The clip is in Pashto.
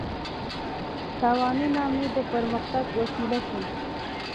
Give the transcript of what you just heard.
تاوانونه مې د پرمختګ وسیله شول.